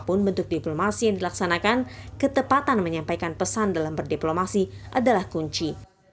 apapun bentuk diplomasi yang dilaksanakan ketepatan menyampaikan pesan dalam berdiplomasi adalah kunci